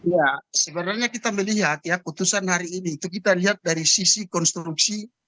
ya sebenarnya kita melihat ya putusan hari ini itu kita lihat dari sisi konstruksi